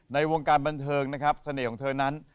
ในวงการบันเทิงนะครับเสน่ห์ของเธอนั้น